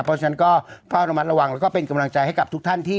เพราะฉะนั้นก็เฝ้าระมัดระวังแล้วก็เป็นกำลังใจให้กับทุกท่านที่